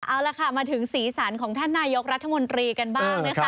เอาละค่ะมาถึงศีรษรของท่านนายกรัฐมนตรีกันบ้าง